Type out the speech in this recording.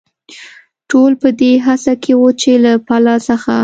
ټول په دې هڅه کې و، چې له پله څخه.